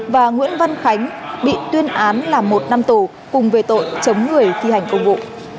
và nguyễn văn khánh bị tuyên án là một năm tù cùng về tội chống người thi hành công vụ